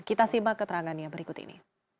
kita simak keterangannya berikut ini